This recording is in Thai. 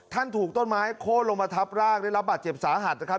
ถูกต้นไม้โค้นลงมาทับร่างได้รับบาดเจ็บสาหัสนะครับ